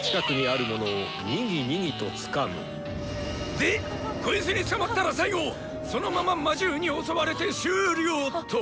でこいつに捕まったら最後そのまま魔獣に襲われて終了と。